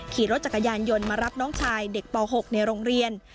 ขี่รถจักรยานยนต์มารับน้องชายเด็กป๖ในโรงเรียน